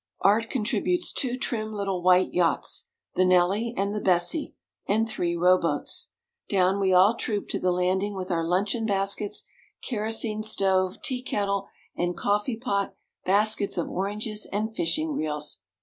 Art contributes two trim little white yachts, "The Nelly" and "The Bessie," and three row boats. Down we all troop to the landing with our luncheon baskets, kerosene stove, tea kettle, and coffee pot, baskets of oranges, and fishing reels.